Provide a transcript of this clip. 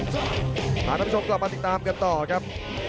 ท่านผู้ชมกลับมาติดตามกันต่อครับ